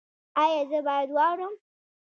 ایا زه باید واورم؟